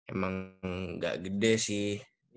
emang gak gede sih